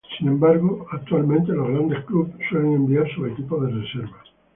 Sin embargo, actualmente los grandes clubes suelen enviar sus equipos de reserva.